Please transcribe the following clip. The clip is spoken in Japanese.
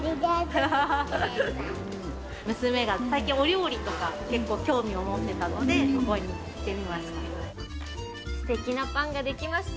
娘が最近、お料理とか、結構興味を持ってたので、すてきなパンが出来ました。